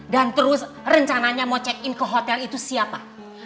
dan terus rencananya mau check in ke hotel itu siapa